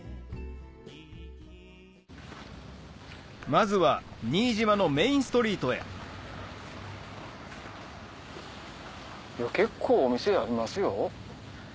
まずは新島のメインストリートへ結構お店ありますよ。